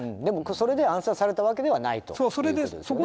でもそれで暗殺されたわけではないということですね。